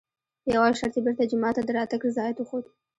په یوه شرط یې بېرته جومات ته د راتګ رضایت وښود.